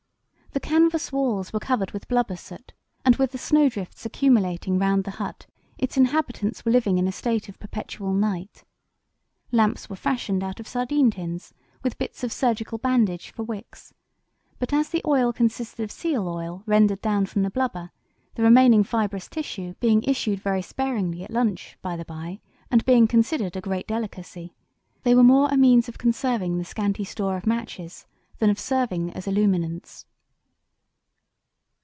The canvas walls were covered with blubber soot, and with the snowdrifts accumulating round the hut its inhabitants were living in a state of perpetual night. Lamps were fashioned out of sardine tins, with bits of surgical bandage for wicks; but as the oil consisted of seal oil rendered down from the blubber, the remaining fibrous tissue being issued very sparingly at lunch, by the by, and being considered a great delicacy, they were more a means of conserving the scanty store of matches than of serving as illuminants.